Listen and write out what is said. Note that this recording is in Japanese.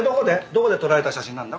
どこで撮られた写真なんだ？